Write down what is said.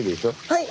はい。